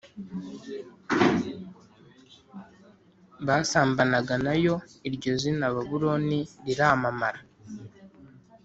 basambanaga na yo Iryo zina Babuloni riramamara